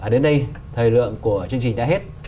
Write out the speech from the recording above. đến đây thời lượng của chương trình đã hết